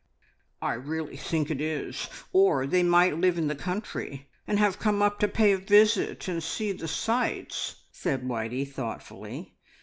"I really think it is. Or they might live in the country and have come up to pay a visit and see the sights," said Whitey thoughtfully.